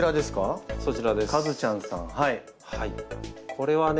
これはね